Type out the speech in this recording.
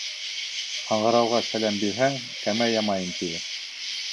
Һаңғырауға сәләм бирһәң, «кәмә ямайым» тиер.